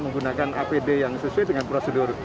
menggunakan apd yang sesuai dengan prosedur